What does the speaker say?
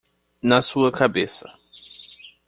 Na sua cabeça!